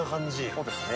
そうですね。